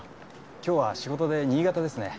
今日は仕事で新潟ですね。